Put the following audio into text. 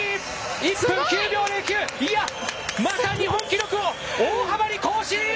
１分９秒０９また日本記録を大幅に更新。